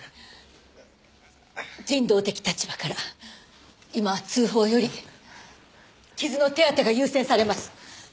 人道的立場から今は通報より傷の手当てが優先されます。